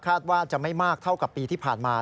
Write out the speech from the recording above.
ว่าจะไม่มากเท่ากับปีที่ผ่านมา